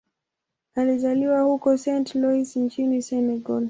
Alizaliwa huko Saint-Louis nchini Senegal.